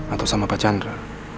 atau sama pak chandra